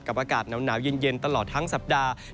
อากาศหนาวเย็นตลอดทั้งสัปดาห์